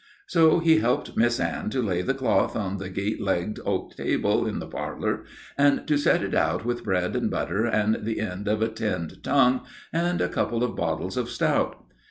So he helped Miss Anne to lay the cloth on the gate legged oak table in the parlour and to set it out with bread and butter and the end of a tinned tongue and a couple of bottles of stout.